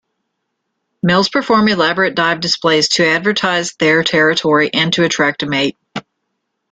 Males perform elaborate dive displays to advertise their territory and attract a mate.